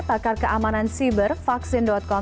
pakar keamanan siber vaksin com